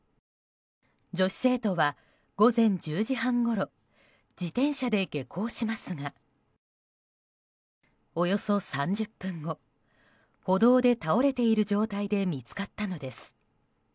女子生徒は、午前１０時半ごろ自転車で下校しますがおよそ３０分後歩道で倒れている状態で見つかったのです。